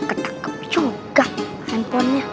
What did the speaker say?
akhirnya ketakup juga handphonenya